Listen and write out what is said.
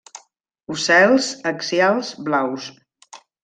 Ocels axials blaus.